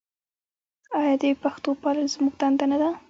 آیا د پښتو پالل زموږ دنده نه ده؟